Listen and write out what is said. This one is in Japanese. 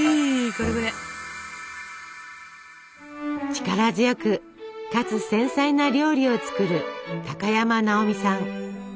力強くかつ繊細な料理を作る高山なおみさん。